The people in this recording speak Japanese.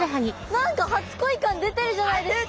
何か初恋かん出てるじゃないですか。